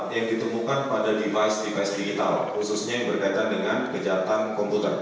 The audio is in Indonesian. yang ditemukan pada device device digital khususnya yang berkaitan dengan kejahatan komputer